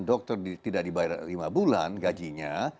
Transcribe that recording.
dokter tidak dibayar lima bulan gajinya